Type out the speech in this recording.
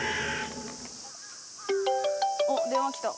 おっ電話きた。